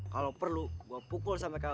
kalau perlu gue pukul sama kau